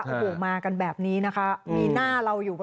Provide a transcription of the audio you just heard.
โอ้โหมากันแบบนี้นะคะมีหน้าเราอยู่